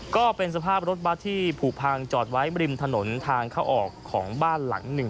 ก็เป็นสภาพรถบัสที่ผูกพังจอดไว้ริมถนนทางเข้าออกของบ้านหลังหนึ่ง